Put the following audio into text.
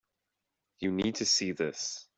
You need to see this.